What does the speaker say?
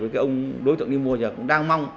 cái ông đối tượng đi mua giờ cũng đang mong